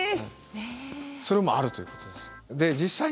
それもあるということです。